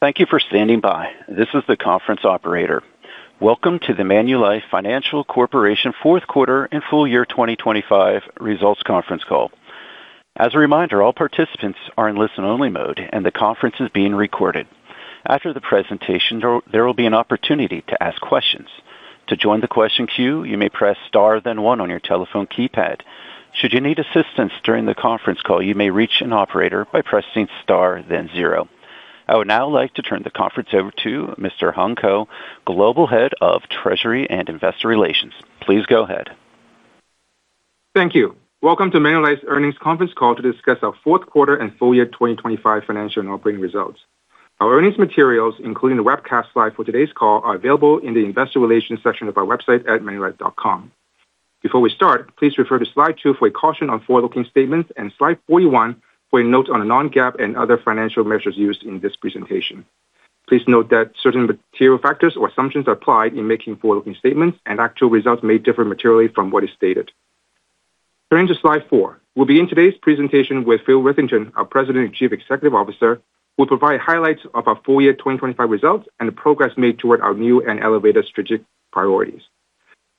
Thank you for standing by. This is the conference operator. Welcome to the Manulife Financial Corporation fourth quarter and full year 2025 results conference call. As a reminder, all participants are in listen-only mode, and the conference is being recorded. After the presentation, will be an opportunity to ask questions. To join the question queue, you may press Star, then one on your telephone keypad. Should you need assistance during the conference call, you may reach an operator by pressing Star, then zero. I would now like to turn the conference over to Mr. Hung Ko, Global Head of Treasury and Investor Relations. Please go ahead. Thank you. Welcome to Manulife's earnings conference call to discuss our fourth quarter and full year 2025 financial and operating results. Our earnings materials, including the webcast slide for today's call, are available in the investor relations section of our website at manulife.com. Before we start, please refer to slide 2 for a caution on forward-looking statements and slide 41 for a note on non-GAAP and other financial measures used in this presentation. Please note that certain material factors or assumptions are applied in making forward-looking statements, and actual results may differ materially from what is stated. Turning to slide 4. We'll begin today's presentation with Phil Witherington, our President and Chief Executive Officer, will provide highlights of our full year 2025 results and the progress made toward our new and elevated strategic priorities.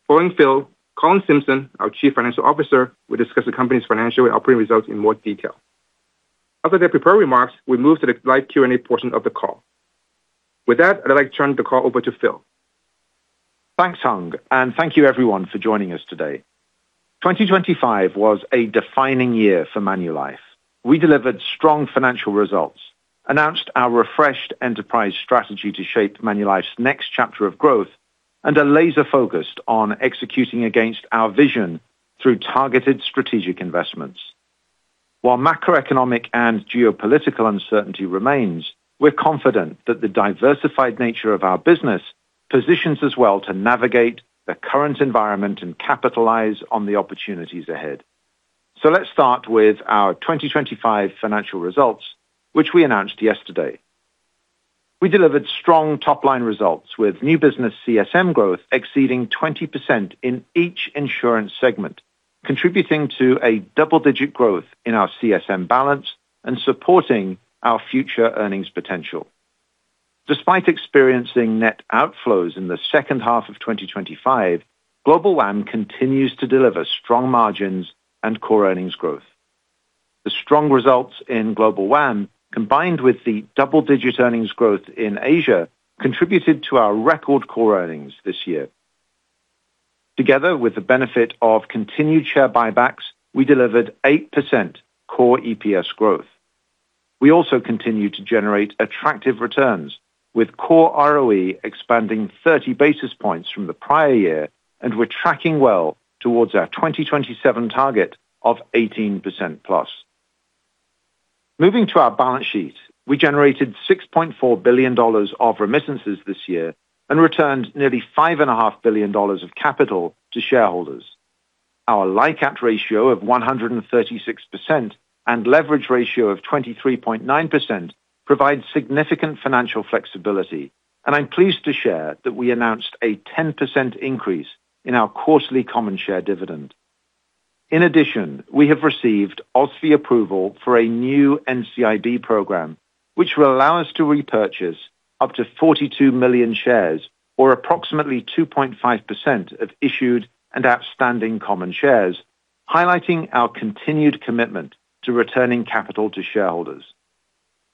Following Phil, Colin Simpson, our Chief Financial Officer, will discuss the company's financial operating results in more detail. After their prepared remarks, we move to the live Q&A portion of the call. With that, I'd like to turn the call over to Phil. Thanks, Hung, and thank you everyone for joining us today. 2025 was a defining year for Manulife. We delivered strong financial results, announced our refreshed enterprise strategy to shape Manulife's next chapter of growth, and are laser-focused on executing against our vision through targeted strategic investments. While macroeconomic and geopolitical uncertainty remains, we're confident that the diversified nature of our business positions us well to navigate the current environment and capitalize on the opportunities ahead. Let's start with our 2025 financial results, which we announced yesterday. We delivered strong top-line results, with new business CSM growth exceeding 20% in each insurance segment, contributing to a double-digit growth in our CSM balance and supporting our future earnings potential. Despite experiencing net outflows in the second half of 2025, Global WAM continues to deliver strong margins and core earnings growth. The strong results in Global WAM, combined with the double-digit earnings growth in Asia, contributed to our record core earnings this year. Together with the benefit of continued share buybacks, we delivered 8% core EPS growth. We also continued to generate attractive returns, with core ROE expanding 30 basis points from the prior year, and we're tracking well towards our 2027 target of 18%+. Moving to our balance sheet, we generated $6.4 billion of remittances this year and returned nearly $5.5 billion of capital to shareholders. Our LICAT ratio of 136% and leverage ratio of 23.9% provides significant financial flexibility, and I'm pleased to share that we announced a 10% increase in our quarterly common share dividend. In addition, we have received OSFI approval for a new NCIB program, which will allow us to repurchase up to 42 million shares, or approximately 2.5% of issued and outstanding common shares, highlighting our continued commitment to returning capital to shareholders.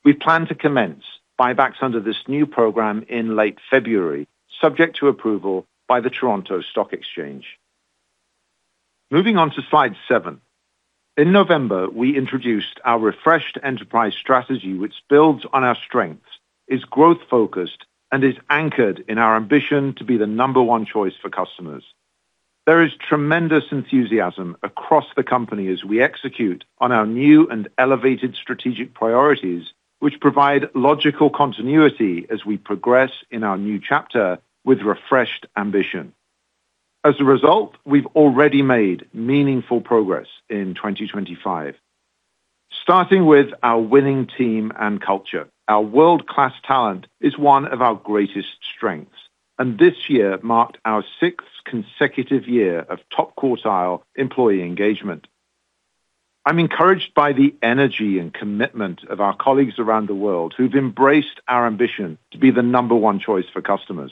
We plan to commence buybacks under this new program in late February, subject to approval by the Toronto Stock Exchange. Moving on to slide 7. In November, we introduced our refreshed enterprise strategy, which builds on our strengths, is growth-focused, and is anchored in our ambition to be the number one choice for customers. There is tremendous enthusiasm across the company as we execute on our new and elevated strategic priorities, which provide logical continuity as we progress in our new chapter with refreshed ambition. As a result, we've already made meaningful progress in 2025. Starting with our winning team and culture, our world-class talent is one of our greatest strengths, and this year marked our sixth consecutive year of top-quartile employee engagement. I'm encouraged by the energy and commitment of our colleagues around the world who've embraced our ambition to be the number one choice for customers.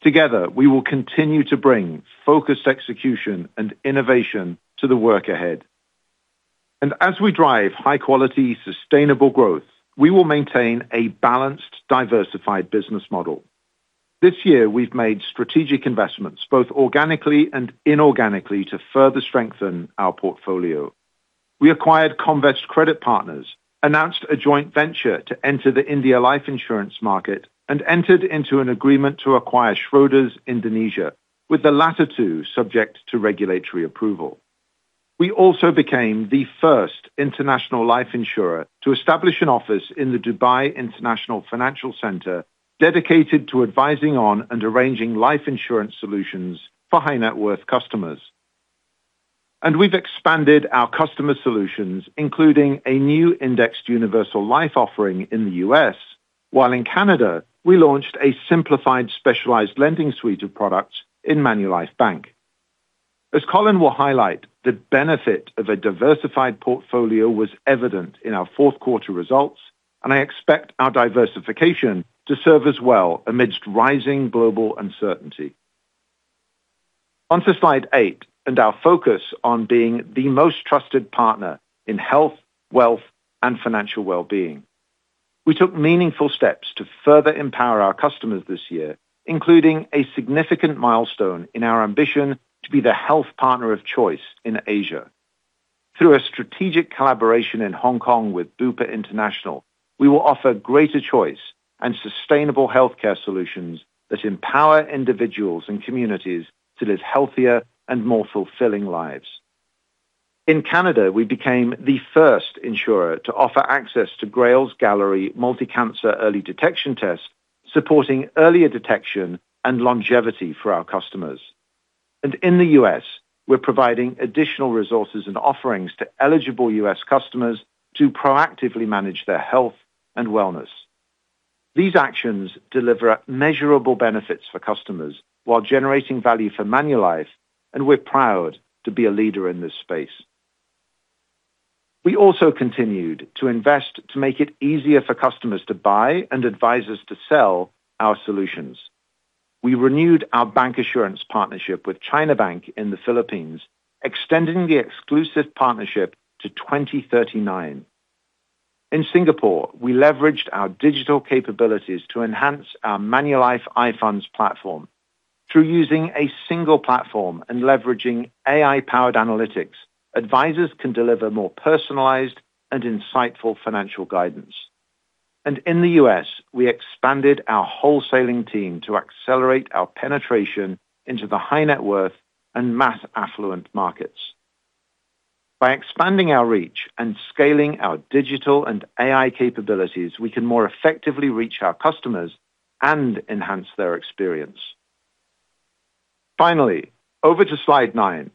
Together, we will continue to bring focused execution and innovation to the work ahead. As we drive high-quality, sustainable growth, we will maintain a balanced, diversified business model. This year, we've made strategic investments, both organically and inorganically, to further strengthen our portfolio. We acquired Comvest Credit Partners, announced a joint venture to enter the India life insurance market, and entered into an agreement to acquire Schroders Indonesia, with the latter two subject to regulatory approval. We also became the first international life insurer to establish an office in the Dubai International Financial Centre, dedicated to advising on and arranging life insurance solutions for high-net-worth customers. We've expanded our customer solutions, including a new indexed universal life offering in the U.S., while in Canada, we launched a simplified, specialized lending suite of products in Manulife Bank. As Colin will highlight, the benefit of a diversified portfolio was evident in our fourth quarter results, and I expect our diversification to serve us well amidst rising global uncertainty. On to Slide eight, and our focus on being the most trusted partner in health, wealth, and financial well-being. We took meaningful steps to further empower our customers this year, including a significant milestone in our ambition to be the health partner of choice in Asia. Through a strategic collaboration in Hong Kong with Bupa International, we will offer greater choice and sustainable healthcare solutions that empower individuals and communities to live healthier and more fulfilling lives. In Canada, we became the first insurer to offer access to GRAIL's Galleri multi-cancer early detection test, supporting earlier detection and longevity for our customers. In the U.S., we're providing additional resources and offerings to eligible U.S. customers to proactively manage their health and wellness. These actions deliver measurable benefits for customers while generating value for Manulife, and we're proud to be a leader in this space. We also continued to invest to make it easier for customers to buy and advisors to sell our solutions. We renewed our bancassurance partnership with China Bank in the Philippines, extending the exclusive partnership to 2039. In Singapore, we leveraged our digital capabilities to enhance our Manulife iFunds platform. Through using a single platform and leveraging AI-powered analytics, advisors can deliver more personalized and insightful financial guidance. In the U.S., we expanded our wholesaling team to accelerate our penetration into the high net worth and mass affluent markets. By expanding our reach and scaling our digital and AI capabilities, we can more effectively reach our customers and enhance their experience. Finally, over to Slide nine.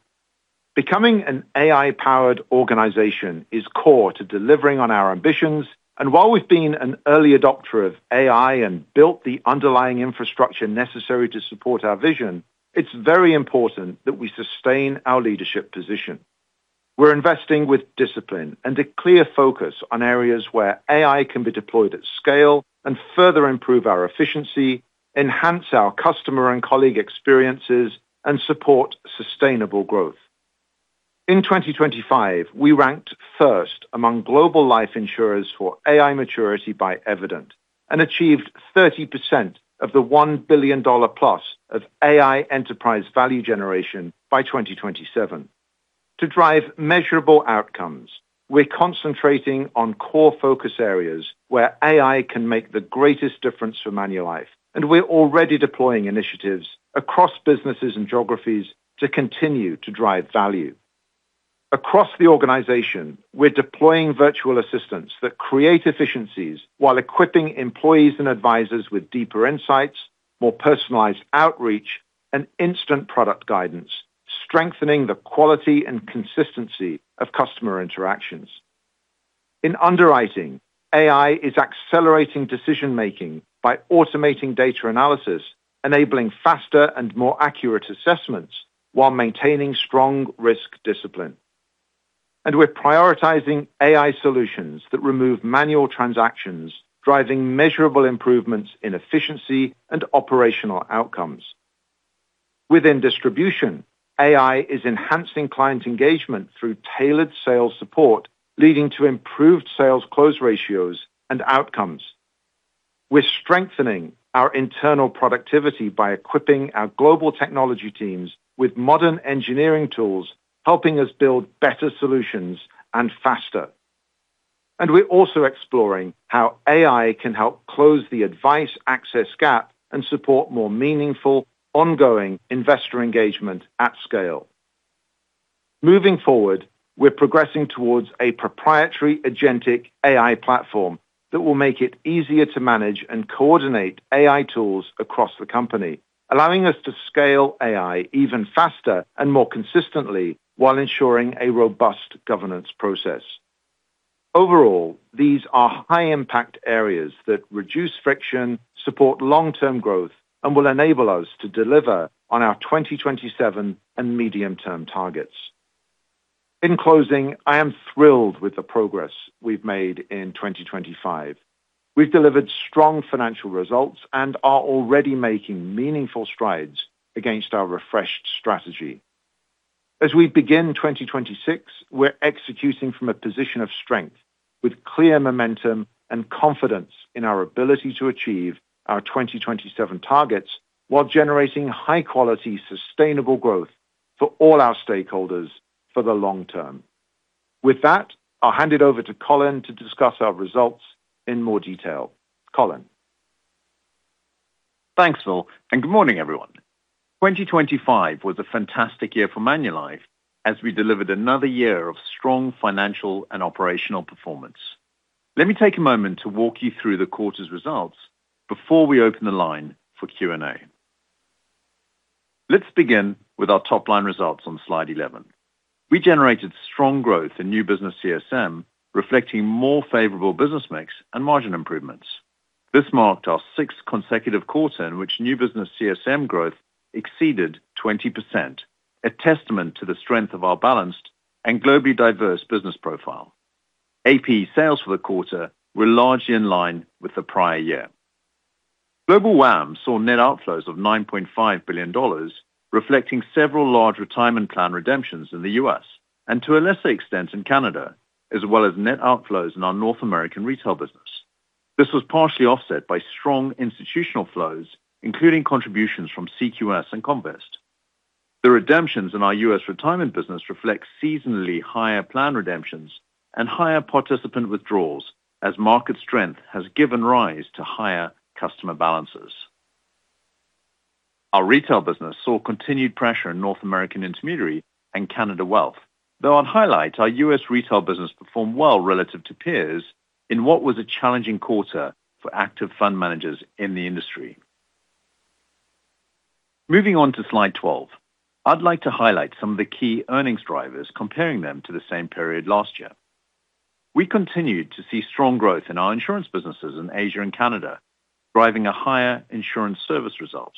Becoming an AI-powered organization is core to delivering on our ambitions, and while we've been an early adopter of AI and built the underlying infrastructure necessary to support our vision, it's very important that we sustain our leadership position. We're investing with discipline and a clear focus on areas where AI can be deployed at scale and further improve our efficiency, enhance our customer and colleague experiences, and support sustainable growth. In 2025, we ranked first among global life insurers for AI maturity by Evident and achieved 30% of the $1 billion+ of AI enterprise value generation by 2027. To drive measurable outcomes, we're concentrating on core focus areas where AI can make the greatest difference for Manulife, and we're already deploying initiatives across businesses and geographies to continue to drive value. Across the organization, we're deploying virtual assistants that create efficiencies while equipping employees and advisors with deeper insights, more personalized outreach, and instant product guidance, strengthening the quality and consistency of customer interactions. In underwriting, AI is accelerating decision-making by automating data analysis, enabling faster and more accurate assessments while maintaining strong risk discipline. We're prioritizing AI solutions that remove manual transactions, driving measurable improvements in efficiency and operational outcomes. Within distribution, AI is enhancing client engagement through tailored sales support, leading to improved sales close ratios and outcomes. We're strengthening our internal productivity by equipping our global technology teams with modern engineering tools, helping us build better solutions and faster. We're also exploring how AI can help close the advice access gap and support more meaningful, ongoing investor engagement at scale. Moving forward, we're progressing towards a proprietary agentic AI platform that will make it easier to manage and coordinate AI tools across the company, allowing us to scale AI even faster and more consistently while ensuring a robust governance process. Overall, these are high-impact areas that reduce friction, support long-term growth, and will enable us to deliver on our 2027 and medium-term targets. In closing, I am thrilled with the progress we've made in 2025. We've delivered strong financial results and are already making meaningful strides against our refreshed strategy. As we begin 2026, we're executing from a position of strength with clear momentum and confidence in our ability to achieve our 2027 targets, while generating high-quality, sustainable growth for all our stakeholders for the long term. With that, I'll hand it over to Colin to discuss our results in more detail. Colin? Thanks, Phil, and good morning, everyone. 2025 was a fantastic year for Manulife as we delivered another year of strong financial and operational performance. Let me take a moment to walk you through the quarter's results before we open the line for Q&A. Let's begin with our top-line results on Slide 11. We generated strong growth in new business CSM, reflecting more favorable business mix and margin improvements. This marked our sixth consecutive quarter in which new business CSM growth exceeded 20%, a testament to the strength of our balanced and globally diverse business profile. APE sales for the quarter were largely in line with the prior year. Global WAM saw net outflows of $9.5 billion, reflecting several large retirement plan redemptions in the U.S. and to a lesser extent, in Canada, as well as net outflows in our North American retail business. This was partially offset by strong institutional flows, including contributions from CQS and Comvest. The redemptions in our U.S. retirement business reflect seasonally higher plan redemptions and higher participant withdrawals, as market strength has given rise to higher customer balances. Our retail business saw continued pressure in North American intermediary and Canada wealth. To highlight, our U.S. retail business performed well relative to peers in what was a challenging quarter for active fund managers in the industry. Moving on to slide 12. I'd like to highlight some of the key earnings drivers, comparing them to the same period last year. We continued to see strong growth in our insurance businesses in Asia and Canada, driving a higher insurance service result.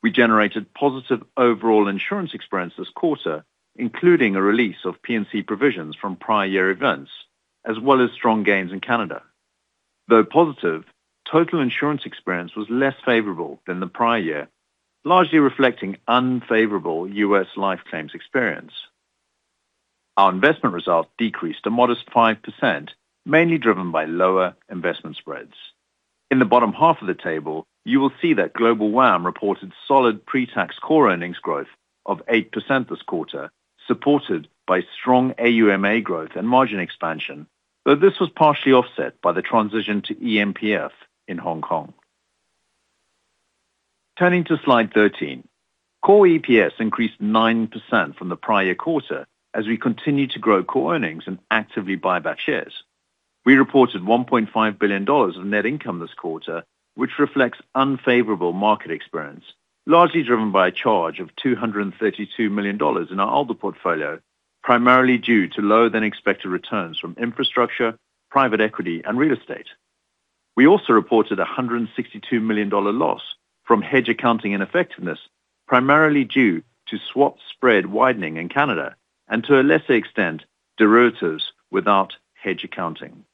We generated positive overall insurance experience this quarter, including a release of PfAD provisions from prior year events, as well as strong gains in Canada. Though positive, total insurance experience was less favorable than the prior year, largely reflecting unfavorable U.S. life claims experience. Our investment results decreased a modest 5%, mainly driven by lower investment spreads. In the bottom half of the table, you will see that Global WAM reported solid pre-tax core earnings growth of 8% this quarter, supported by strong AUMA growth and margin expansion, though this was partially offset by the transition to eMPF in Hong Kong. Turning to slide 13. Core EPS increased 9% from the prior year quarter as we continued to grow core earnings and actively buy back shares. We reported $1.5 billion of net income this quarter, which reflects unfavorable market experience, largely driven by a charge of $232 million in our older portfolio, primarily due to lower than expected returns from infrastructure, private equity, and real estate. We also reported a $162 million loss from hedge accounting and effectiveness, primarily due to swap spread widening in Canada and to a lesser extent, derivatives without hedge accounting.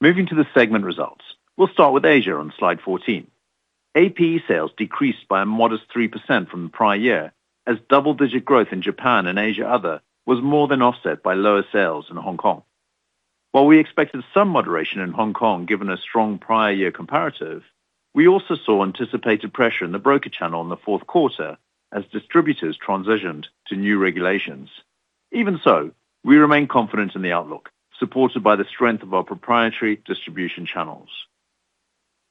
Moving to the segment results. We'll start with Asia on slide 14. APE sales decreased by a modest 3% from the prior year, as double-digit growth in Japan and Asia Other was more than offset by lower sales in Hong Kong. While we expected some moderation in Hong Kong, given a strong prior year comparative, we also saw anticipated pressure in the broker channel in the fourth quarter as distributors transitioned to new regulations. Even so, we remain confident in the outlook, supported by the strength of our proprietary distribution channels.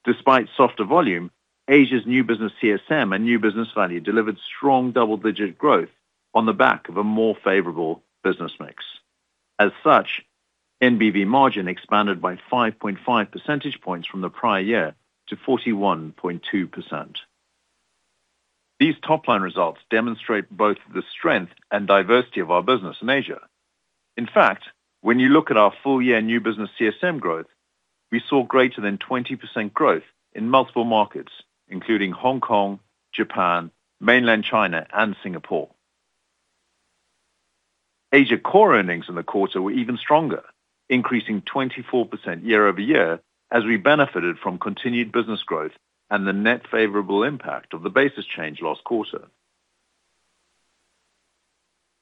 Despite softer volume, Asia's new business CSM and new business value delivered strong double-digit growth on the back of a more favorable business mix. As such, NBV margin expanded by 5.5 percentage points from the prior year to 41.2%. These top-line results demonstrate both the strength and diversity of our business in Asia. In fact, when you look at our full year new business CSM growth, we saw greater than 20% growth in multiple markets, including Hong Kong, Japan, Mainland China, and Singapore. Asia core earnings in the quarter were even stronger, increasing 24% year-over-year, as we benefited from continued business growth and the net favorable impact of the basis change last quarter.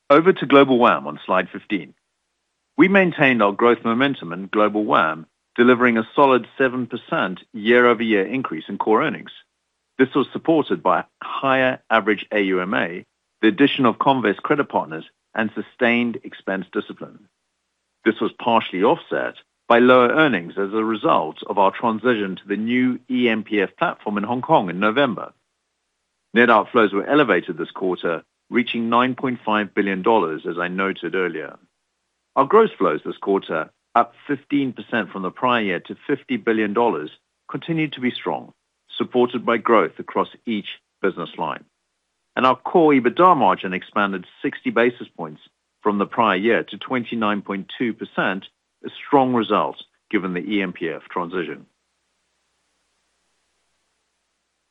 Over to Global WAM on slide 15. We maintained our growth momentum in Global WAM, delivering a solid 7% year-over-year increase in core earnings. This was supported by higher average AUMA, the addition of Comvest Credit Partners, and sustained expense discipline. This was partially offset by lower earnings as a result of our transition to the new eMPF platform in Hong Kong in November. Net outflows were elevated this quarter, reaching $9.5 billion as I noted earlier. Our gross flows this quarter, up 15% from the prior year to $50 billion, continued to be strong, supported by growth across each business line. Our core EBITDA margin expanded 60 basis points from the prior year to 29.2%, a strong result given the eMPF transition.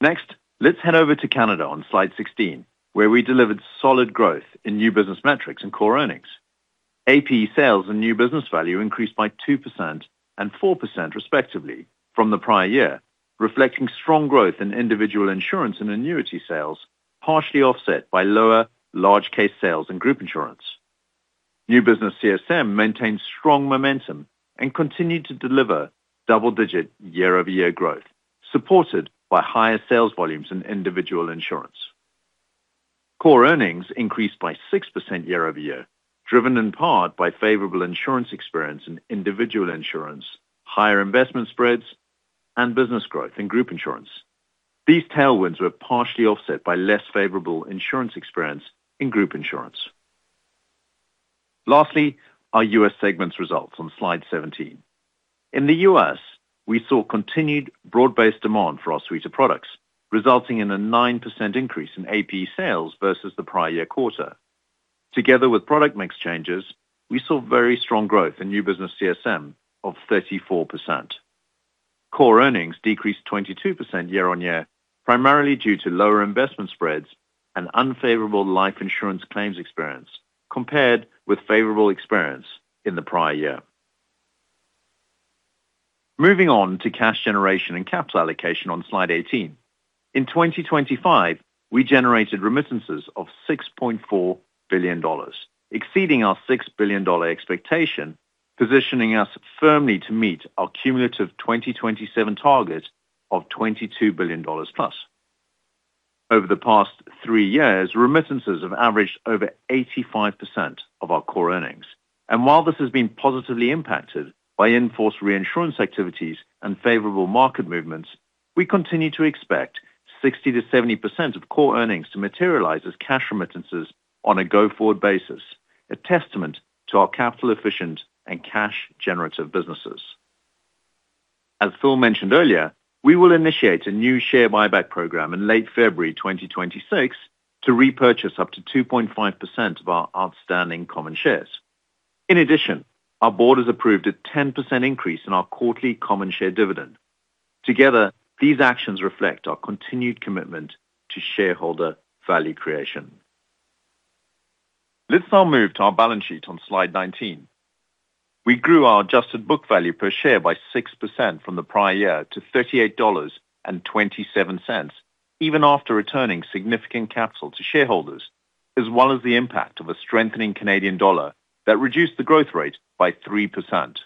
Next, let's head over to Canada on slide 16, where we delivered solid growth in new business metrics and core earnings. APE sales and new business value increased by 2% and 4% respectively from the prior year, reflecting strong growth in individual insurance and annuity sales, partially offset by lower large case sales and group insurance. New business CSM maintained strong momentum and continued to deliver double-digit year-over-year growth, supported by higher sales volumes and individual insurance. Core earnings increased by 6% year-over-year, driven in part by favorable insurance experience in individual insurance, higher investment spreads, and business growth in group insurance. These tailwinds were partially offset by less favorable insurance experience in group insurance. Lastly, our U.S. segment's results on slide 17. In the U.S., we saw continued broad-based demand for our suite of products, resulting in a 9% increase in APE sales versus the prior year quarter. Together with product mix changes, we saw very strong growth in new business CSM of 34%. Core earnings decreased 22% year-on-year, primarily due to lower investment spreads and unfavorable life insurance claims experience, compared with favorable experience in the prior year. Moving on to cash generation and capital allocation on slide 18. In 2025, we generated remittances of 6.4 billion dollars, exceeding our 6 billion dollar expectation, positioning us firmly to meet our cumulative 2027 target of 22 billion dollars plus. Over the past three years, remittances have averaged over 85% of our core earnings. While this has been positively impacted by in-force reinsurance activities and favorable market movements, we continue to expect 60%-70% of core earnings to materialize as cash remittances on a go-forward basis, a testament to our capital efficient and cash generative businesses. As Phil mentioned earlier, we will initiate a new share buyback program in late February 2026 to repurchase up to 2.5% of our outstanding common shares. In addition, our board has approved a 10% increase in our quarterly common share dividend. Together, these actions reflect our continued commitment to shareholder value creation. Let's now move to our balance sheet on slide 19. We grew our adjusted book value per share by 6% from the prior year to 38.27 dollars, even after returning significant capital to shareholders, as well as the impact of a strengthening Canadian dollar that reduced the growth rate by 3%.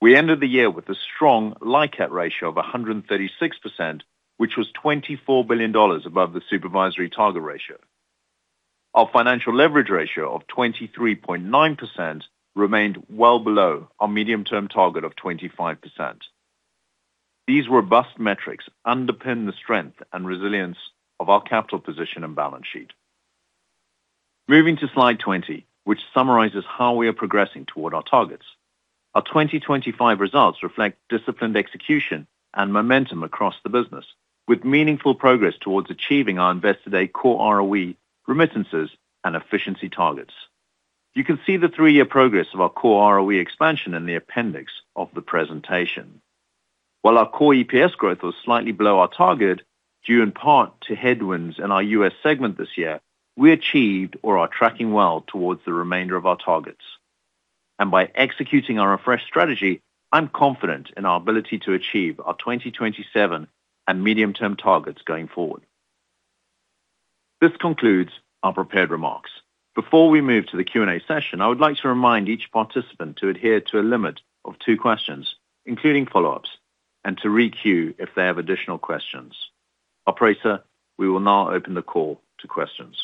We ended the year with a strong LICAT ratio of 136%, which was 24 billion dollars above the supervisory target ratio. Our financial leverage ratio of 23.9% remained well below our medium-term target of 25%. These robust metrics underpin the strength and resilience of our capital position and balance sheet. Moving to slide 20, which summarizes how we are progressing toward our targets. Our 2025 results reflect disciplined execution and momentum across the business, with meaningful progress towards achieving our Investor Day core ROE, remittances, and efficiency targets. You can see the three-year progress of our Core ROE expansion in the appendix of the presentation. While our Core EPS growth was slightly below our target, due in part to headwinds in our U.S. segment this year, we achieved or are tracking well towards the remainder of our targets. By executing our refreshed strategy, I'm confident in our ability to achieve our 2027 and medium-term targets going forward. This concludes our prepared remarks. Before we move to the Q&A session, I would like to remind each participant to adhere to a limit of two questions, including follow-ups, and to re-queue if they have additional questions. Operator, we will now open the call to questions.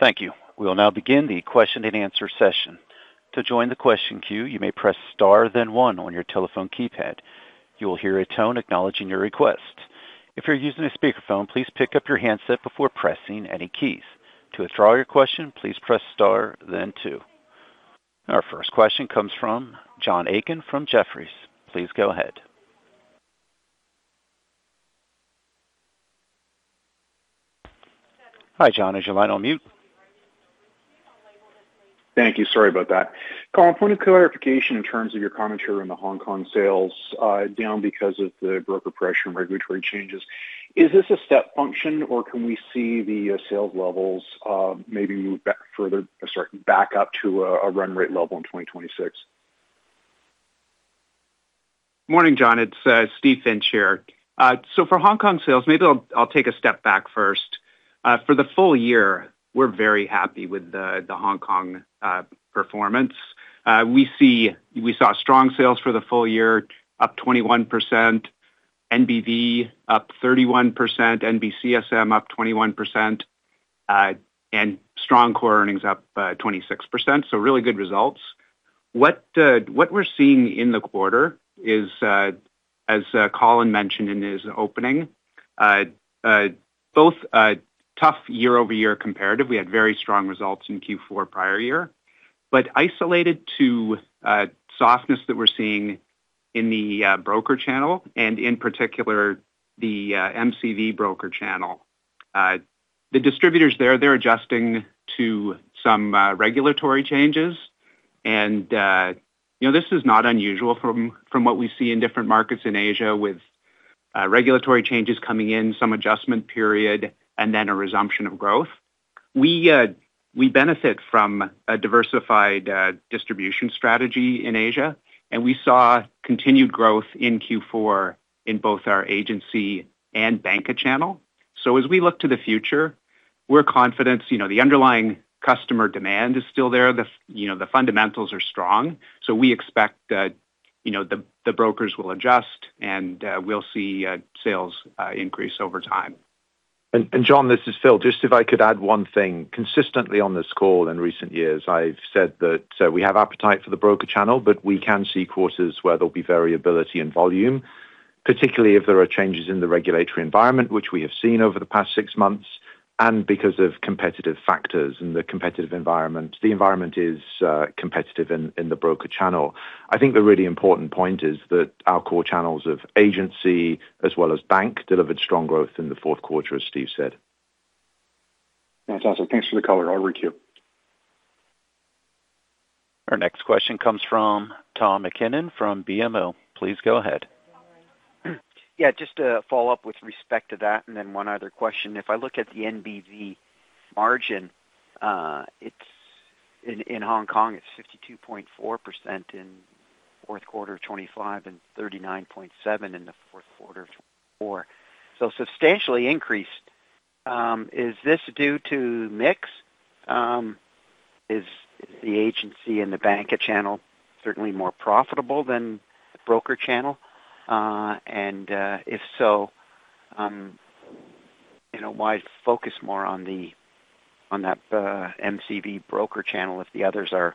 Thank you. We will now begin the question-and-answer session. To join the question queue, you may press star, then one on your telephone keypad. You will hear a tone acknowledging your request. If you're using a speakerphone, please pick up your handset before pressing any keys. To withdraw your question, please press star then two. Our first question comes from John Aiken from Jefferies. Please go ahead. Hi, John, is your line on mute? Thank you. Sorry about that. Colin, point of clarification in terms of your commentary on the Hong Kong sales down because of the broker pressure and regulatory changes. Is this a step function, or can we see the sales levels maybe move back further, sorry, back up to a run rate level in 2026? Morning, John, it's Steve Finch here. So for Hong Kong sales, maybe I'll take a step back first. For the full year, we're very happy with the Hong Kong performance. We saw strong sales for the full year, up 21%, NBV up 31%, NBCSM up 21%, and strong core earnings up 26%. So really good results. What we're seeing in the quarter is, as Colin mentioned in his opening, both a tough year-over-year comparative. We had very strong results in Q4 prior year, but isolated to softness that we're seeing in the broker channel and in particular, the MCV broker channel. The distributors there, they're adjusting to some regulatory changes. You know, this is not unusual from what we see in different markets in Asia, with regulatory changes coming in, some adjustment period, and then a resumption of growth. We benefit from a diversified distribution strategy in Asia, and we saw continued growth in Q4 in both our agency and banca channel. So as we look to the future, we're confident, you know, the underlying customer demand is still there. The fundamentals are strong, so we expect that, you know, the brokers will adjust and we'll see sales increase over time. John, this is Phil. Just if I could add one thing. Consistently on this call in recent years, I've said that we have appetite for the broker channel, but we can see quarters where there'll be variability in volume, particularly if there are changes in the regulatory environment, which we have seen over the past six months, and because of competitive factors and the competitive environment. The environment is competitive in the broker channel. I think the really important point is that our core channels of agency as well as bank delivered strong growth in the fourth quarter, as Steve said. That's awesome. Thanks for the color. I'll requeue. Our next question comes from Tom MacKinnon from BMO. Please go ahead. Yeah, just to follow up with respect to that, and then one other question. If I look at the NBV margin, it's in Hong Kong, it's 52.4% in fourth quarter 2025 and 39.7% in the fourth quarter of 2024. So substantially increased. Is this due to mix? Is the agency and the banca channel certainly more profitable than the broker channel? And, if so, you know, why focus more on the, on that, MCV broker channel if the others are,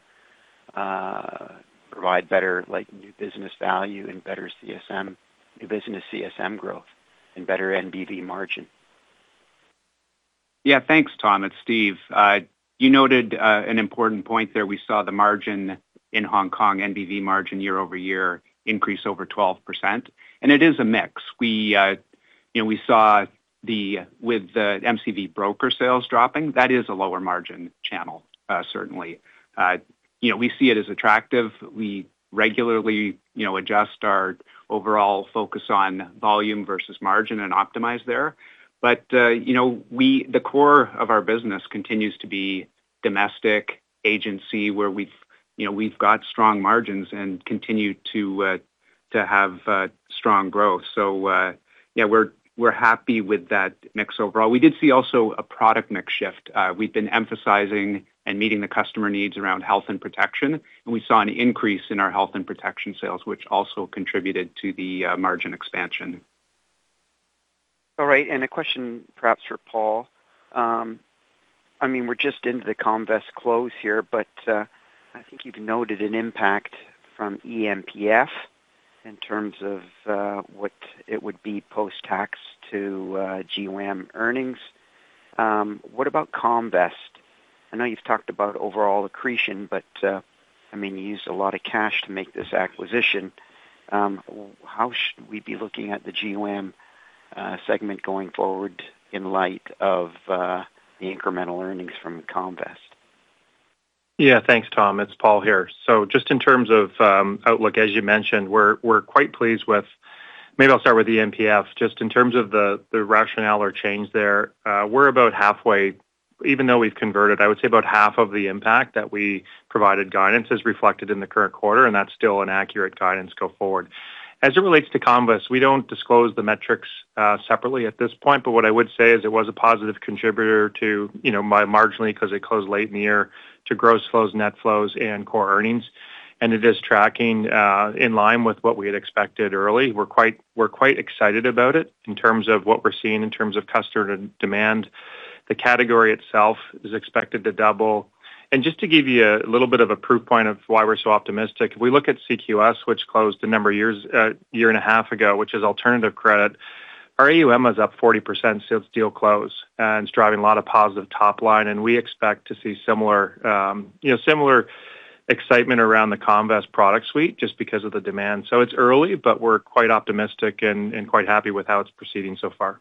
provide better, like, new business value and better CSM-- new business CSM growth and better NBV margin? Yeah, thanks, Tom. It's Steve. You noted an important point there. We saw the margin in Hong Kong, NBV margin year-over-year increase over 12%, and it is a mix. We, you know, we saw with the MCV broker sales dropping, that is a lower margin channel, certainly. You know, we see it as attractive. We regularly, you know, adjust our overall focus on volume versus margin and optimize there. But, you know, the core of our business continues to be domestic agency, where we've, you know, we've got strong margins and continue to have strong growth. So, yeah, we're, we're happy with that mix overall. We did see also a product mix shift. We've been emphasizing and meeting the customer needs around health and protection, and we saw an increase in our health and protection sales, which also contributed to the margin expansion. All right, and a question perhaps for Paul. I mean, we're just into the Comvest close here, but, I think you've noted an impact from eMPF in terms of, what it would be post-tax to, GWAM earnings. What about Comvest? I know you've talked about overall accretion, but, I mean, you used a lot of cash to make this acquisition. How should we be looking at the GWAM, segment going forward in light of, the incremental earnings from Comvest? Yeah, thanks, Tom. It's Paul here. So just in terms of outlook, as you mentioned, we're quite pleased with... Maybe I'll start with the eMPF. Just in terms of the rationale or change there, we're about halfway. Even though we've converted, I would say about half of the impact that we provided guidance is reflected in the current quarter, and that's still an accurate guidance go forward. As it relates to Comvest, we don't disclose the metrics separately at this point, but what I would say is it was a positive contributor to, you know, AUMA marginally, because it closed late in the year, to gross flows, net flows and core earnings. And it is tracking in line with what we had expected early. We're quite excited about it in terms of what we're seeing in terms of customer demand. The category itself is expected to double. And just to give you a little bit of a proof point of why we're so optimistic, if we look at CQS, which closed a number of years, year and a half ago, which is alternative credit, our AUM is up 40% since deal close, and it's driving a lot of positive top line, and we expect to see similar, you know, similar excitement around the Comvest product suite just because of the demand. So it's early, but we're quite optimistic and, and quite happy with how it's proceeding so far.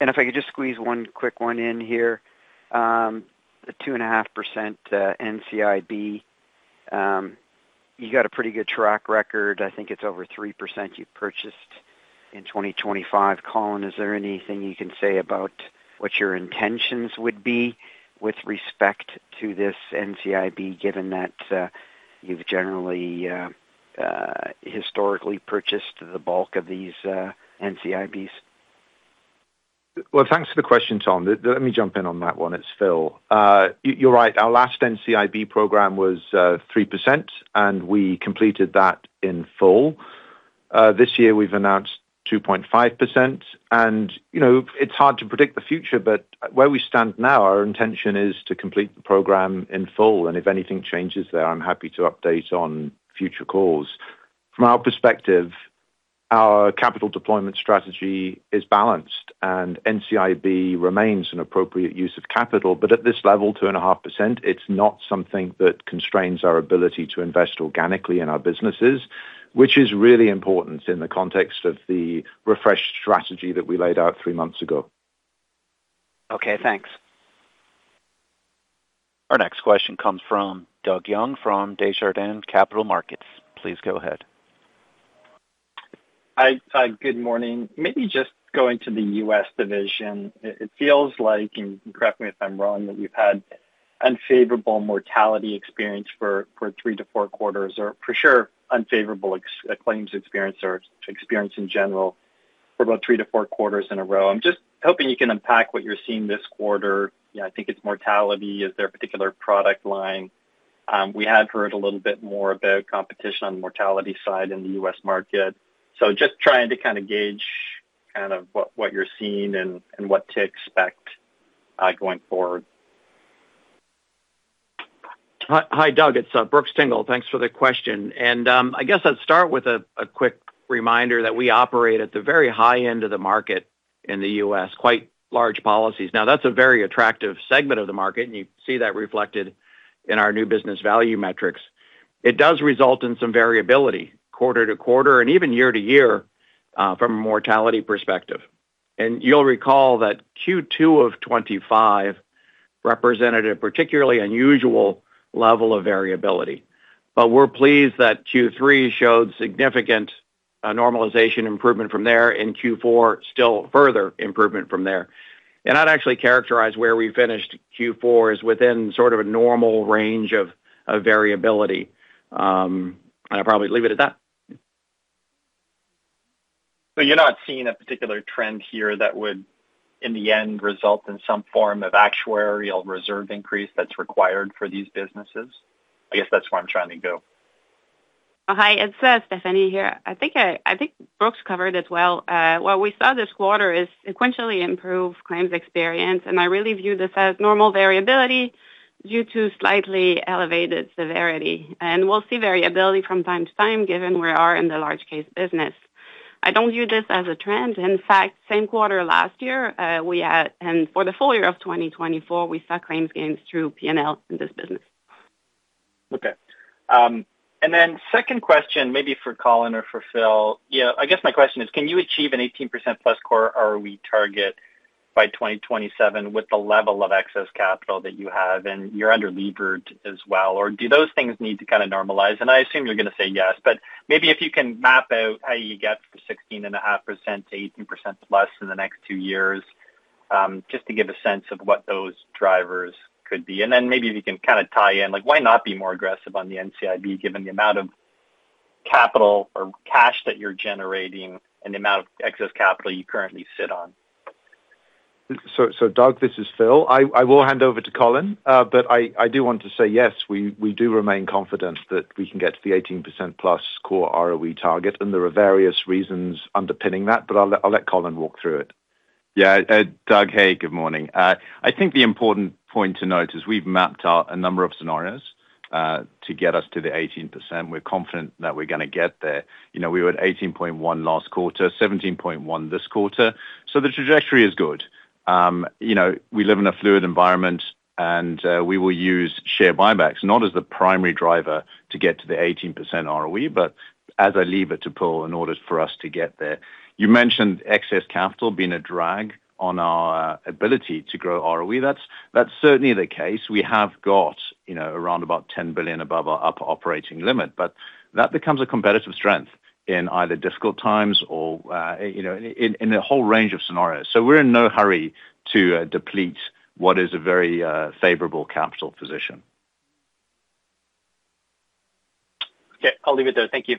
And if I could just squeeze one quick one in here. The 2.5%, NCIB, you got a pretty good track record. I think it's over 3% you purchased in 2025. Colin, is there anything you can say about what your intentions would be with respect to this NCIB, given that, you've generally, historically purchased the bulk of these, NCIBs? Well, thanks for the question, Tom. Let me jump in on that one. It's Phil. You're right. Our last NCIB program was 3%, and we completed that in full. This year, we've announced 2.5%, and, you know, it's hard to predict the future, but where we stand now, our intention is to complete the program in full, and if anything changes there, I'm happy to update on future calls. From our perspective, our capital deployment strategy is balanced, and NCIB remains an appropriate use of capital, but at this level, 2.5%, it's not something that constrains our ability to invest organically in our businesses, which is really important in the context of the refreshed strategy that we laid out three months ago. Okay, thanks. Our next question comes from Doug Young, from Desjardins Capital Markets. Please go ahead. Hi. Good morning. Maybe just going to the U.S. division, it feels like, and correct me if I'm wrong, that you've had unfavorable mortality experience for 3-4 quarters, or for sure, unfavorable claims experience or experience in general for about 3-4 quarters in a row. I'm just hoping you can unpack what you're seeing this quarter. You know, I think it's mortality. Is there a particular product line? We had heard a little bit more about competition on the mortality side in the U.S. market. So just trying to kind of gauge kind of what you're seeing and what to expect going forward. Hi, Doug. It's Brooks Tingle. Thanks for the question. I guess I'd start with a quick reminder that we operate at the very high end of the market in the U.S., quite large policies. Now, that's a very attractive segment of the market, and you see that reflected in our new business value metrics.... it does result in some variability quarter to quarter and even year to year from a mortality perspective. And you'll recall that Q2 of 2025 represented a particularly unusual level of variability. But we're pleased that Q3 showed significant normalization improvement from there, in Q4, still further improvement from there. And I'd actually characterize where we finished Q4 is within sort of a normal range of variability. And I'll probably leave it at that. So you're not seeing a particular trend here that would, in the end, result in some form of actuarial reserve increase that's required for these businesses? I guess that's where I'm trying to go. Hi, it's Stephanie here. I think, I think Brooks covered it well. What we saw this quarter is sequentially improved claims experience, and I really view this as normal variability due to slightly elevated severity. And we'll see variability from time to time, given we are in the large case business. I don't view this as a trend. In fact, same quarter last year, we had and for the full year of 2024, we saw claims gains through PNL in this business. Okay. And then second question, maybe for Colin or for Phil. Yeah, I guess my question is: Can you achieve an 18%+ Core ROE target by 2027 with the level of excess capital that you have, and you're underlevered as well? Or do those things need to kinda normalize? And I assume you're going to say yes, but maybe if you can map out how you get from 16.5% to 18%+ in the next two years, just to give a sense of what those drivers could be. And then maybe we can kind of tie in, like, why not be more aggressive on the NCIB, given the amount of capital or cash that you're generating and the amount of excess capital you currently sit on? So, Doug, this is Phil. I will hand over to Colin, but I do want to say, yes, we do remain confident that we can get to the 18%+ Core ROE target, and there are various reasons underpinning that, but I'll let Colin walk through it. Yeah, Doug, hey, good morning. I think the important point to note is we've mapped out a number of scenarios to get us to the 18%. We're confident that we're going to get there. You know, we were at 18.1 last quarter, 17.1 this quarter, so the trajectory is good. You know, we live in a fluid environment, and we will use share buybacks, not as the primary driver to get to the 18% ROE, but as a lever to pull in order for us to get there. You mentioned excess capital being a drag on our ability to grow ROE. That's, that's certainly the case. We have got, you know, around about 10 billion above our upper operating limit, but that becomes a competitive strength in either difficult times or, you know, in a whole range of scenarios. So we're in no hurry to deplete what is a very favorable capital position. Okay, I'll leave it there. Thank you.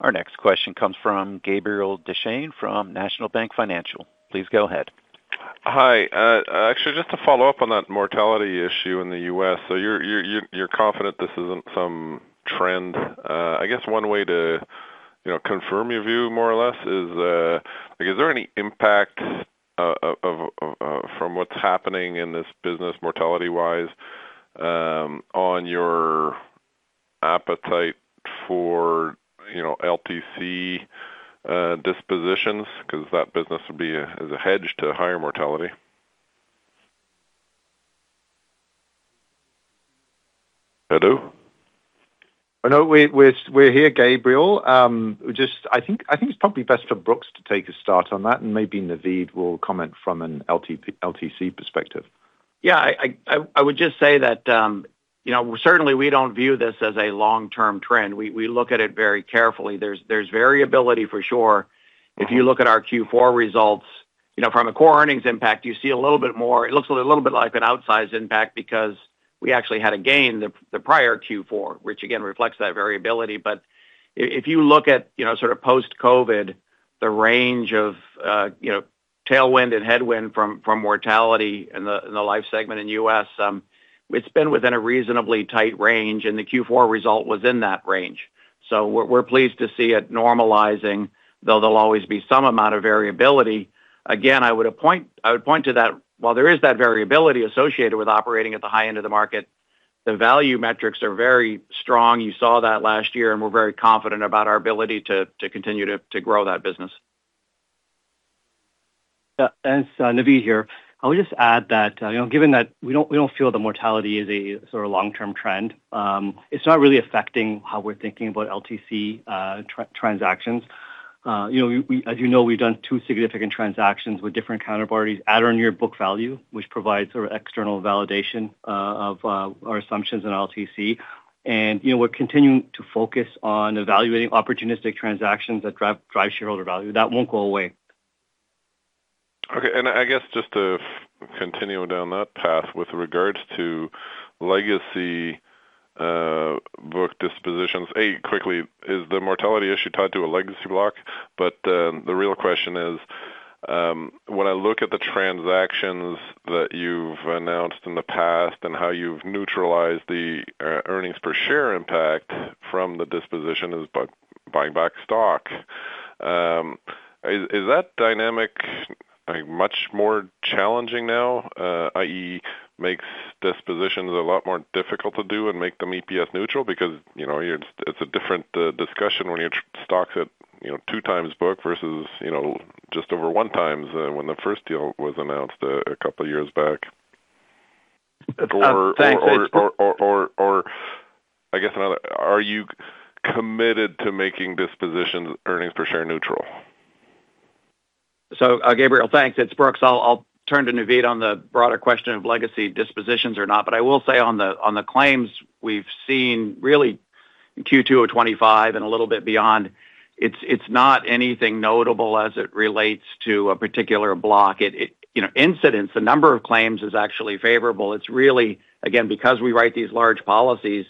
Our next question comes from Gabriel Dechaine from National Bank Financial. Please go ahead. Hi. Actually, just to follow up on that mortality issue in the U.S. So you're confident this isn't some trend. I guess one way to, you know, confirm your view more or less is, like, is there any impact of, from what's happening in this business, mortality-wise, on your appetite for, you know, LTC, dispositions? 'Cause that business would be a, as a hedge to higher mortality. Hello? I know. We're here, Gabriel. Just I think it's probably best for Brooks to take a start on that, and maybe Naveed will comment from an LTC perspective. Yeah, I would just say that, you know, certainly we don't view this as a long-term trend. We look at it very carefully. There's variability for sure. If you look at our Q4 results, you know, from a core earnings impact, you see a little bit more. It looks a little bit like an outsized impact because we actually had a gain the prior Q4, which again, reflects that variability. But if you look at, you know, sort of post-COVID, the range of, you know, tailwind and headwind from mortality in the life segment in U.S., it's been within a reasonably tight range, and the Q4 result was in that range. So we're pleased to see it normalizing, though there'll always be some amount of variability. Again, I would point to that while there is that variability associated with operating at the high end of the market, the value metrics are very strong. You saw that last year, and we're very confident about our ability to continue to grow that business. Yeah, it's Naveed here. I would just add that, you know, given that we don't, we don't feel the mortality is a sort of long-term trend, it's not really affecting how we're thinking about LTC transactions. You know, we, as you know, we've done two significant transactions with different counterparties at or near book value, which provides sort of external validation of our assumptions in LTC. And, you know, we're continuing to focus on evaluating opportunistic transactions that drive shareholder value. That won't go away. Okay, and I guess just to continue down that path with regards to legacy book dispositions. Quickly, is the mortality issue tied to a legacy block? But the real question is, when I look at the transactions that you've announced in the past and how you've neutralized the earnings per share impact from the disposition is by buying back stock, is that dynamic, I mean, much more challenging now, i.e., makes dispositions a lot more difficult to do and make them EPS neutral? Because, you know, it's a different discussion when your stock's at, you know, two times book versus, you know, just over one times, when the first deal was announced a couple of years back... or, I guess another, are you committed to making dispositions earnings per share neutral? So, Gabriel, thanks. It's Brooks. I'll turn to Naveed on the broader question of legacy dispositions or not. But I will say on the claims we've seen really in Q2 of 2025 and a little bit beyond, it's not anything notable as it relates to a particular block. It you know, incidence, the number of claims is actually favorable. It's really, again, because we write these large policies,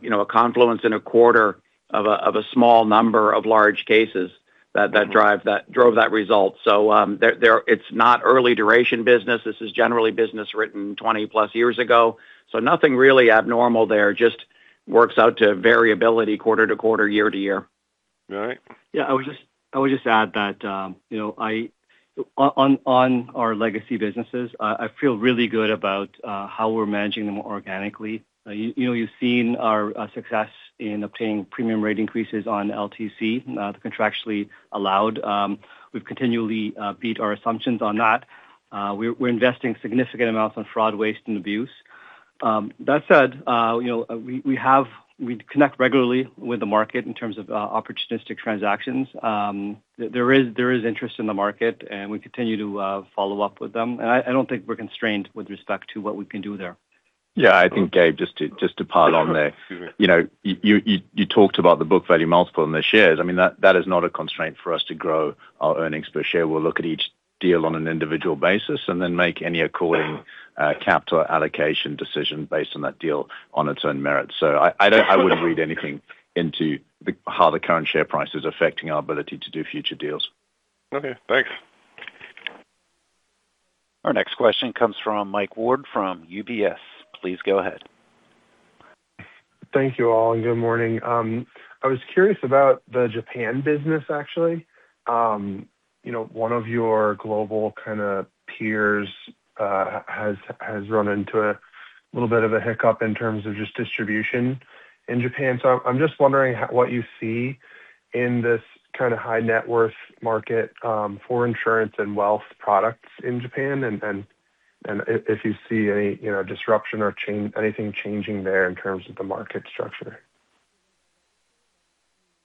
you know, a confluence in a quarter of a small number of large cases that drive, that drove that result. So, there it's not early duration business. This is generally business written 20+ years ago, so nothing really abnormal there, just works out to variability quarter to quarter, year to year. All right. Yeah, I would just add that, you know, on our legacy businesses, I feel really good about how we're managing them organically. You know, you've seen our success in obtaining premium rate increases on LTC, contractually allowed. We've continually beat our assumptions on that. We're investing significant amounts on fraud, waste, and abuse. That said, you know, we have. We connect regularly with the market in terms of opportunistic transactions. There is interest in the market, and we continue to follow up with them. And I don't think we're constrained with respect to what we can do there. Yeah, I think, Gabe, just to pile on there. You know, you talked about the book value multiple in the shares. I mean, that is not a constraint for us to grow our earnings per share. We'll look at each deal on an individual basis and then make any according capital allocation decision based on that deal on its own merits. So I don't, I wouldn't read anything into how the current share price is affecting our ability to do future deals. Okay, thanks. Our next question comes from Mike Ward from UBS. Please go ahead. Thank you, all, and good morning. I was curious about the Japan business, actually. You know, one of your global kind of peers has run into a little bit of a hiccup in terms of just distribution in Japan. So I'm just wondering what you see in this kind of high net worth market for insurance and wealth products in Japan, and if you see any, you know, disruption or change, anything changing there in terms of the market structure?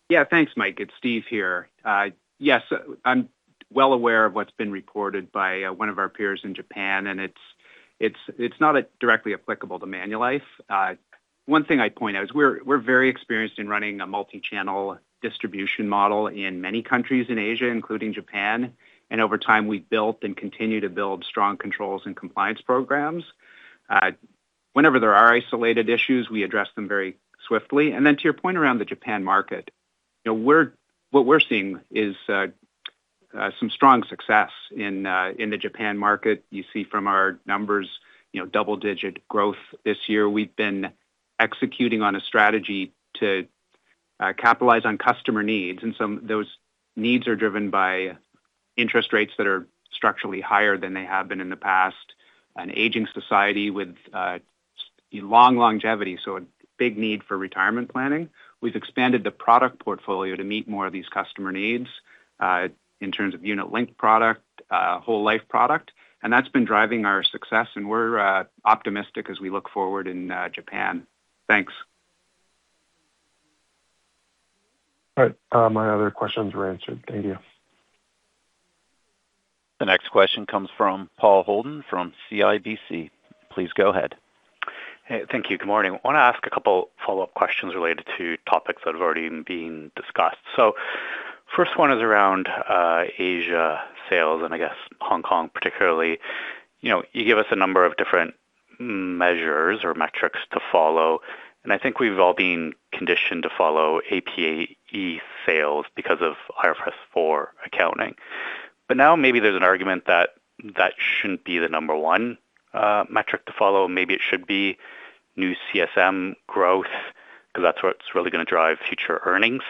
Yeah, thanks, Mike. It's Steve here. Yes, I'm well aware of what's been reported by one of our peers in Japan, and it's not directly applicable to Manulife. One thing I'd point out is we're very experienced in running a multi-channel distribution model in many countries in Asia, including Japan, and over time, we've built and continue to build strong controls and compliance programs. Whenever there are isolated issues, we address them very swiftly. And then to your point around the Japan market, you know, we're—what we're seeing is some strong success in the Japan market. You see from our numbers, you know, double-digit growth this year. We've been executing on a strategy to capitalize on customer needs, and some, those needs are driven by interest rates that are structurally higher than they have been in the past. An aging society with long longevity, so a big need for retirement planning. We've expanded the product portfolio to meet more of these customer needs in terms of unit-linked product, whole life product, and that's been driving our success, and we're optimistic as we look forward in Japan. Thanks. All right, my other questions were answered. Thank you. The next question comes from Paul Holden from CIBC. Please go ahead. Hey. Thank you. Good morning. I want to ask a couple follow-up questions related to topics that have already been discussed. First one is around, Asia sales and I guess Hong Kong particularly. You know, you give us a number of different measures or metrics to follow, and I think we've all been conditioned to follow APE sales because of IFRS 4 accounting. But now maybe there's an argument that that shouldn't be the number one, metric to follow. Maybe it should be new CSM growth, because that's what's really going to drive future earnings.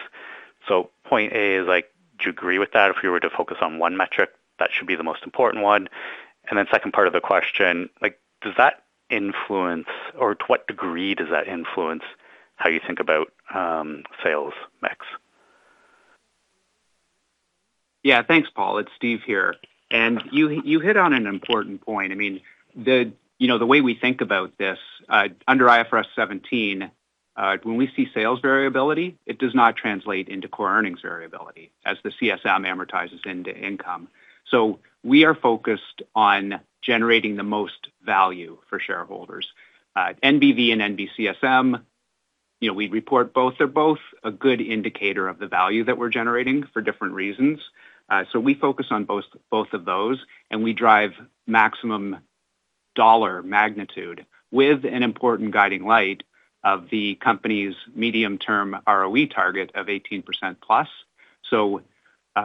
Point A is like, do you agree with that? If you were to focus on one metric, that should be the most important one. And then second part of the question, like, does that influence, or to what degree does that influence how you think about, sales mix? Yeah, thanks, Paul. It's Steve here, and you, you hit on an important point. I mean, the, you know, the way we think about this under IFRS 17, when we see sales variability, it does not translate into core earnings variability as the CSM amortizes into income. So we are focused on generating the most value for shareholders. NBV and NBCSM, you know, we report both, are both a good indicator of the value that we're generating for different reasons. So we focus on both, both of those, and we drive maximum dollar magnitude with an important guiding light of the company's medium-term ROE target of 18% plus. So,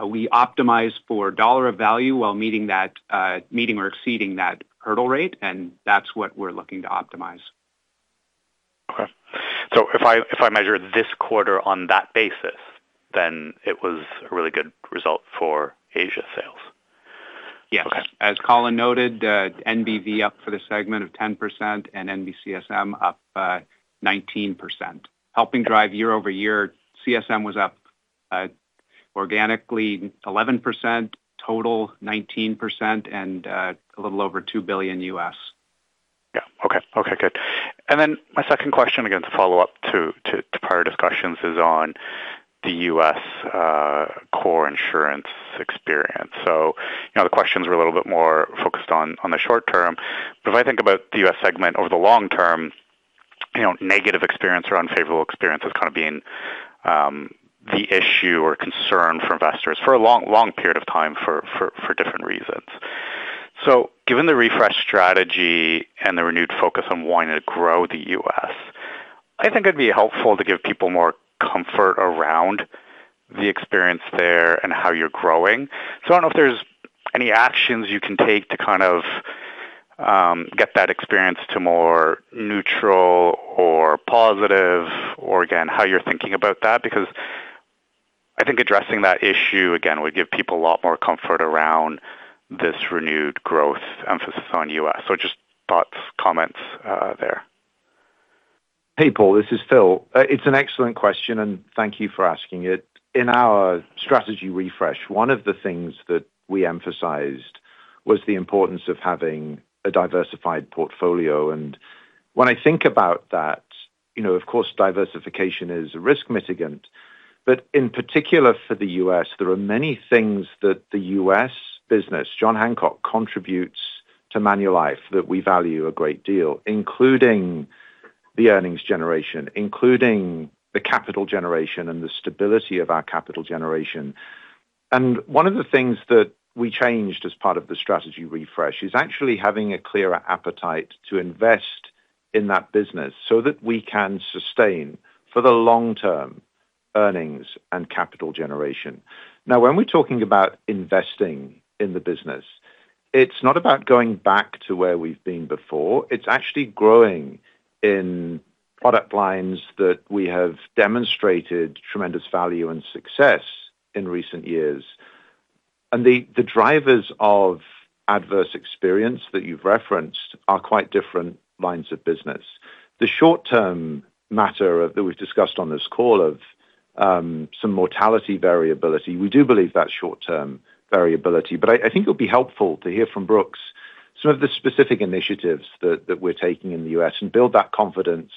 we optimize for dollar of value while meeting that, meeting or exceeding that hurdle rate, and that's what we're looking to optimize. Okay. So if I, if I measure this quarter on that basis, then it was a really good result for Asia sales? Yes. Okay. As Colin noted, NBV up for the segment of 10% and NBCSM up 19%. Helping drive year-over-year, CSM was up.... organically, 11%, total 19%, and a little over $2 billion. Yeah. Okay. Okay, good. And then my second question, again, to follow up to, to, to prior discussions, is on the U.S., core insurance experience. So, you know, the questions were a little bit more focused on, on the short term, but if I think about the U.S. segment over the long term, you know, negative experience or unfavorable experience as kind of being the issue or concern for investors for a long, long period of time, for, for, for different reasons. So given the refresh strategy and the renewed focus on wanting to grow the U.S., I think it'd be helpful to give people more comfort around the experience there and how you're growing. I don't know if there's any actions you can take to kind of get that experience to more neutral or positive, or again, how you're thinking about that, because I think addressing that issue again would give people a lot more comfort around this renewed growth emphasis on U.S. Just thoughts, comments, there. Hey, Paul, this is Phil. It's an excellent question, and thank you for asking it. In our strategy refresh, one of the things that we emphasized was the importance of having a diversified portfolio. When I think about that, you know, of course, diversification is a risk mitigant, but in particular for the U.S., there are many things that the U.S. business, John Hancock, contributes to Manulife that we value a great deal, including the earnings generation, including the capital generation and the stability of our capital generation. One of the things that we changed as part of the strategy refresh is actually having a clearer appetite to invest in that business so that we can sustain, for the long term, earnings and capital generation. Now, when we're talking about investing in the business, it's not about going back to where we've been before. It's actually growing in product lines that we have demonstrated tremendous value and success in recent years. And the drivers of adverse experience that you've referenced are quite different lines of business. The short-term matter of... that we've discussed on this call of, some mortality variability, we do believe that's short-term variability, but I think it'll be helpful to hear from Brooks some of the specific initiatives that we're taking in the U.S. and build that confidence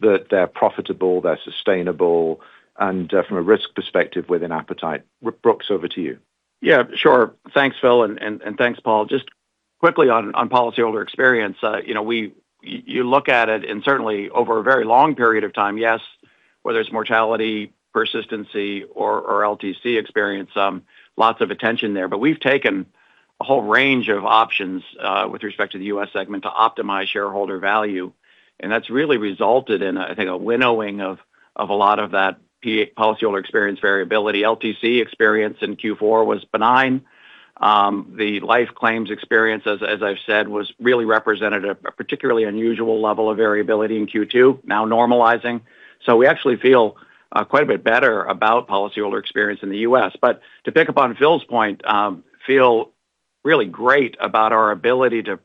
that they're profitable, they're sustainable, and, from a risk perspective, with an appetite. Brooks, over to you. Yeah, sure. Thanks, Phil, and thanks, Paul. Just quickly on policyholder experience, you know, we—you look at it, and certainly over a very long period of time, yes, whether it's mortality, persistency or LTC experience, lots of attention there. But we've taken a whole range of options with respect to the U.S. segment, to optimize shareholder value, and that's really resulted in, I think, a winnowing of a lot of that policyholder experience variability. LTC experience in Q4 was benign. The life claims experience, as I've said, was really representative, a particularly unusual level of variability in Q2, now normalizing. So we actually feel quite a bit better about policyholder experience in the U.S. But to pick up on Phil's point, feel really great about our ability to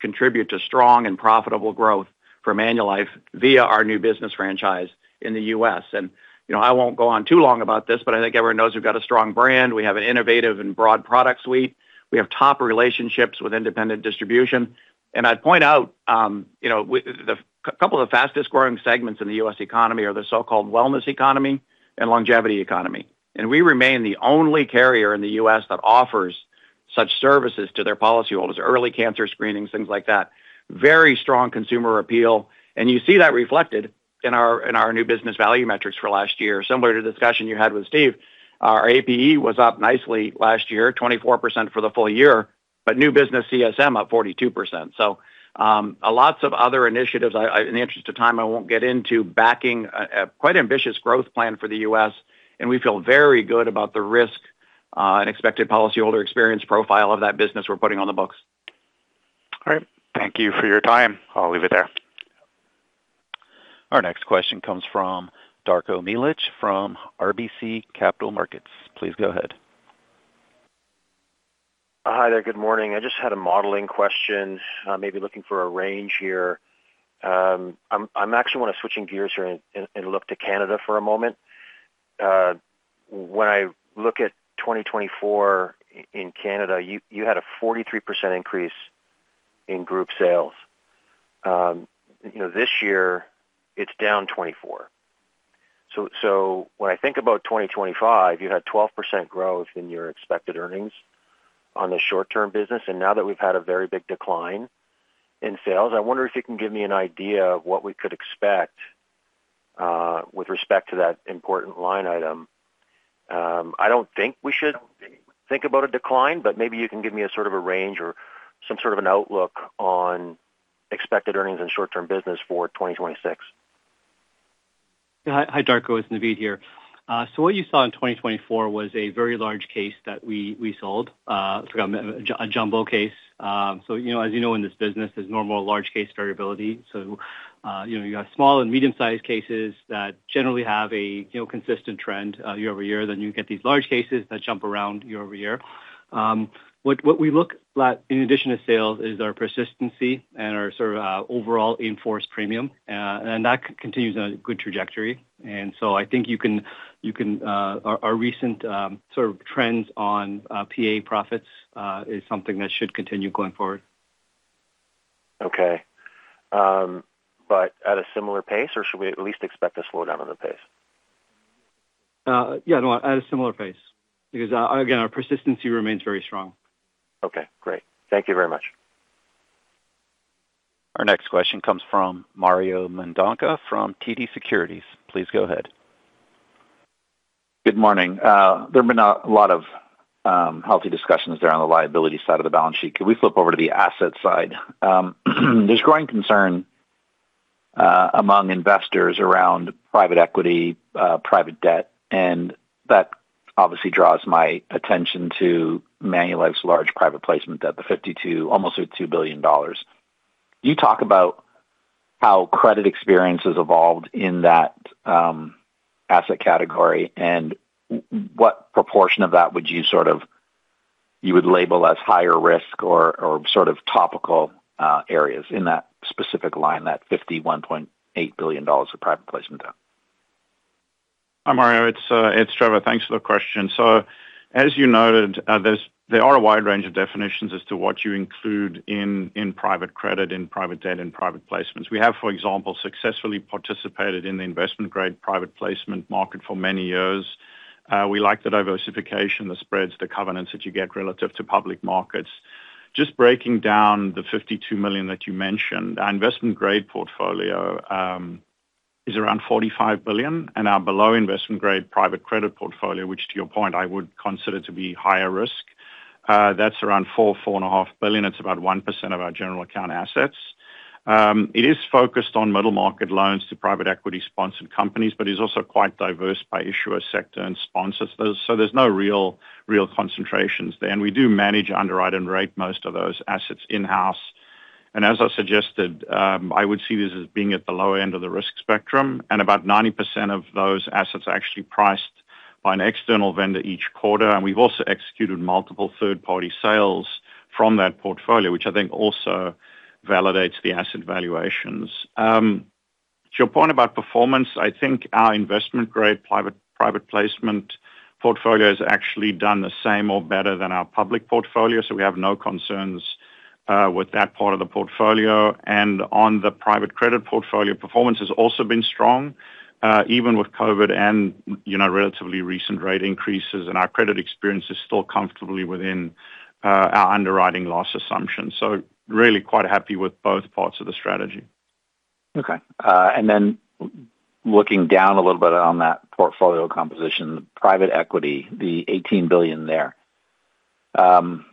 contribute to strong and profitable growth for Manulife via our new business franchise in the U.S. And, you know, I won't go on too long about this, but I think everyone knows we've got a strong brand, we have an innovative and broad product suite. We have top relationships with independent distribution. And I'd point out, you know, with the couple of the fastest-growing segments in the U.S. economy are the so-called wellness economy and longevity economy, and we remain the only carrier in the U.S. that offers such services to their policyholders, early cancer screenings, things like that. Very strong consumer appeal, and you see that reflected in our new business value metrics for last year. Similar to the discussion you had with Steve, our APE was up nicely last year, 24% for the full year, but new business CSM up 42%. So, a lot of other initiatives, in the interest of time, I won't get into backing a quite ambitious growth plan for the U.S., and we feel very good about the risk, and expected policyholder experience profile of that business we're putting on the books. All right. Thank you for your time. I'll leave it there. Our next question comes from Darko Mihelic from RBC Capital Markets. Please go ahead. Hi there. Good morning. I just had a modeling question, maybe looking for a range here. I actually want to switching gears here and look to Canada for a moment. When I look at 2024 in Canada, you had a 43% increase in group sales. You know, this year it's down 24%. So when I think about 2025, you had 12% growth in your expected earnings on the short-term business, and now that we've had a very big decline in sales, I wonder if you can give me an idea of what we could expect with respect to that important line item. I don't think we should think about a decline, but maybe you can give me a sort of a range or some sort of an outlook on expected earnings in short-term business for 2026. Yeah. Hi, Darko, it's Naveed here. So what you saw in 2024 was a very large case that we, we sold, a jumbo case. So, you know, as you know, in this business, there's normal large case variability. So, you know, you have small and medium-sized cases that generally have a, you know, consistent trend, year over year, then you get these large cases that jump around year over year.... What we look at, in addition to sales, is our persistency and our sort of overall in-force premium, and that continues on a good trajectory. And so I think you can our recent sort of trends on par profits is something that should continue going forward. Okay. But at a similar pace, or should we at least expect a slowdown on the pace? Yeah, no, at a similar pace, because again, our persistency remains very strong. Okay, great. Thank you very much. Our next question comes from Mario Mendonca from TD Securities. Please go ahead. Good morning. There have been a lot of healthy discussions around the liability side of the balance sheet. Can we flip over to the asset side? There's growing concern among investors around private equity, private debt, and that obviously draws my attention to Manulife's large private placement debt, the 52, almost 52 billion dollars. Can you talk about how credit experience has evolved in that asset category, and what proportion of that would you sort of—you would label as higher risk or, or sort of topical areas in that specific line, that 51.8 billion dollars of private placement debt? Hi, Mario. It's Trevor. Thanks for the question. So as you noted, there are a wide range of definitions as to what you include in private credit, in private debt, and private placements. We have, for example, successfully participated in the investment-grade private placement market for many years. We like the diversification, the spreads, the covenants that you get relative to public markets. Just breaking down the 52 million that you mentioned, our investment-grade portfolio is around 45 billion, and our below investment-grade private credit portfolio, which, to your point, I would consider to be higher risk, that's around 4 billion-4.5 billion. It's about 1% of our general account assets. It is focused on middle market loans to private equity-sponsored companies, but is also quite diverse by issuer, sector, and sponsors. So there's no real, real concentrations there, and we do manage, underwrite, and rate most of those assets in-house. And as I suggested, I would see this as being at the lower end of the risk spectrum, and about 90% of those assets are actually priced by an external vendor each quarter. And we've also executed multiple third-party sales from that portfolio, which I think also validates the asset valuations. To your point about performance, I think our investment-grade private placement portfolio has actually done the same or better than our public portfolio, so we have no concerns with that part of the portfolio. And on the private credit portfolio, performance has also been strong, even with COVID and, you know, relatively recent rate increases, and our credit experience is still comfortably within our underwriting loss assumptions. So really quite happy with both parts of the strategy. Okay, and then looking down a little bit on that portfolio composition, the private equity, the 18 billion there. Can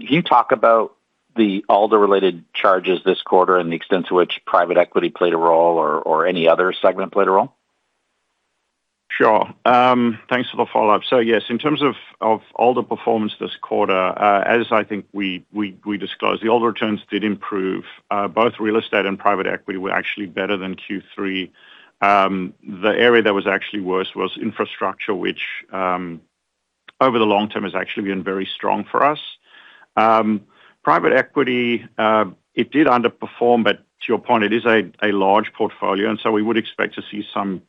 you talk about the ALDA-related charges this quarter and the extent to which private equity played a role or any other segment played a role? Sure. Thanks for the follow-up. So yes, in terms of ALDA performance this quarter, as I think we disclosed, the ALDA returns did improve. Both real estate and private equity were actually better than Q3. The area that was actually worse was infrastructure, which over the long term has actually been very strong for us. Private equity, it did underperform, but to your point, it is a large portfolio, and so we would expect to see some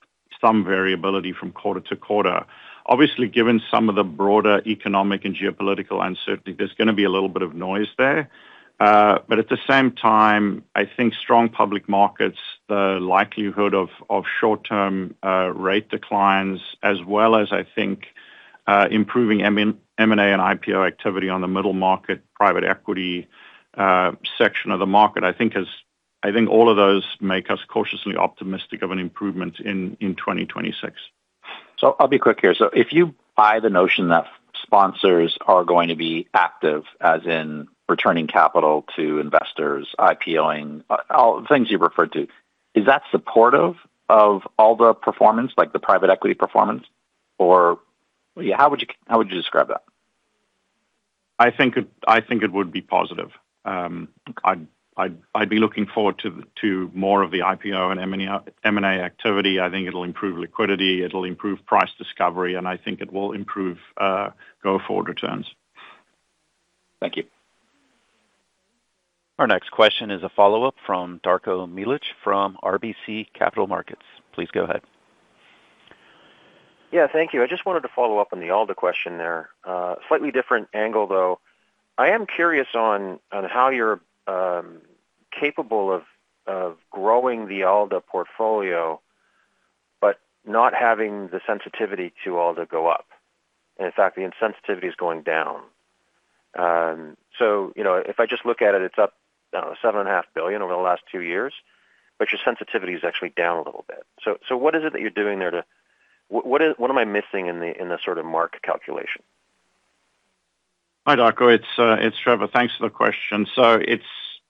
variability from quarter to quarter. Obviously, given some of the broader economic and geopolitical uncertainty, there's gonna be a little bit of noise there. But at the same time, I think strong public markets, the likelihood of short-term rate declines, as well as, I think, improving M&A and IPO activity on the middle market, private equity section of the market, I think all of those make us cautiously optimistic of an improvement in 2026. So I'll be quick here. If you buy the notion that sponsors are going to be active, as in returning capital to investors, IPOing, all things you referred to, is that supportive of all the performance, like the private equity performance? Or how would you, how would you describe that? I think it would be positive. I'd be looking forward to more of the IPO and M&A activity. I think it'll improve liquidity, it'll improve price discovery, and I think it will improve go-forward returns. Thank you. Our next question is a follow-up from Darko Mihelic from RBC Capital Markets. Please go ahead. Yeah, thank you. I just wanted to follow up on the ALDA question there. Slightly different angle, though. I am curious on, on how you're capable of growing the ALDA portfolio, but not having the sensitivity to ALDA go up. And in fact, the insensitivity is going down. So you know, if I just look at it, it's up 7.5 billion over the last two years, but your sensitivity is actually down a little bit. So what is it that you're doing there to... What is, what am I missing in the, in the sort of mark calculation? Hi, Darko. It's Trevor. Thanks for the question. So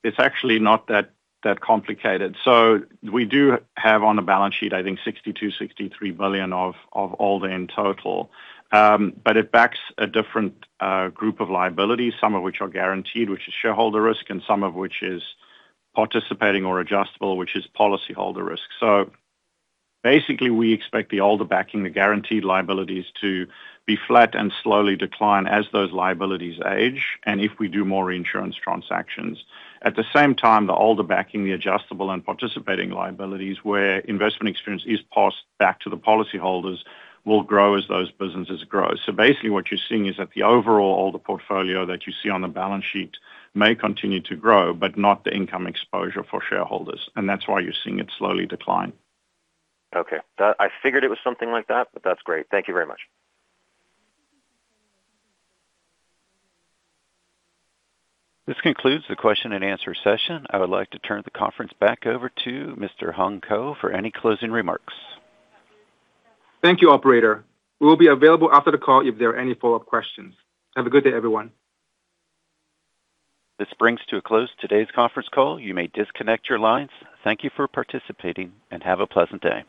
it's actually not that complicated. So we do have on the balance sheet, I think 62 billion-63 billion of ALDA in total. But it backs a different group of liabilities, some of which are guaranteed, which is shareholder risk, and some of which is participating or adjustable, which is policyholder risk. So basically, we expect the ALDA backing the guaranteed liabilities to be flat and slowly decline as those liabilities age and if we do more reinsurance transactions. At the same time, the ALDA backing the adjustable and participating liabilities, where investment experience is passed back to the policyholders, will grow as those businesses grow. So basically, what you're seeing is that the overall ALDA portfolio that you see on the balance sheet may continue to grow, but not the income exposure for shareholders, and that's why you're seeing it slowly decline. Okay. I figured it was something like that, but that's great. Thank you very much. This concludes the question and answer session. I would like to turn the conference back over to Mr. Hung Ko for any closing remarks. Thank you, operator. We will be available after the call if there are any follow-up questions. Have a good day, everyone. This brings to a close today's conference call. You may disconnect your lines. Thank you for participating, and have a pleasant day.